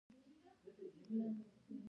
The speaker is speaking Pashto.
«ها… ښایي څوک مې په یاد وي!»